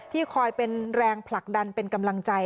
คอยเป็นแรงผลักดันเป็นกำลังใจ